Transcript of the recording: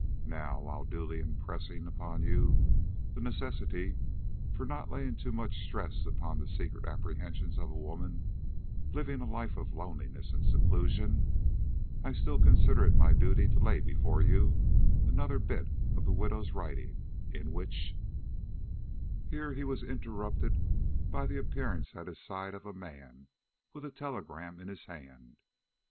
Now, while duly impressing upon you the necessity of not laying too much stress upon the secret apprehensions of a woman living a life of loneliness and seclusion, I still consider it my duty to lay before you another bit of the widow's writing, in which " Here he was interrupted by the appearance at his side of a man with a telegram in his hand.